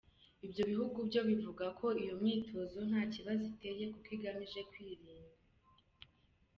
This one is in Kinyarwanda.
Ibyo bihugu byo bivuga ko iyo myitozo nta kibazo iteye kuko igamije kwirinda.